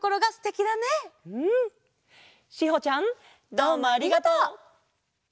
どうもありがとう！